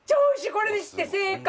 これにして正解。